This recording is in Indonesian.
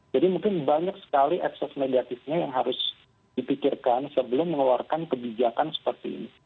jadi mungkin banyak sekali ekses negatifnya yang harus dipikirkan sebelum mengeluarkan kebijakan seperti ini